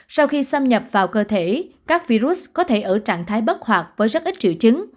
sau khi xâm nhập vào cơ thể các virus có thể ở trạng thái bất hoạt với rất ít triệu chứng